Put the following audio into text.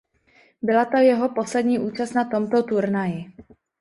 Byla to jeho poslední účast na tomto turnaji.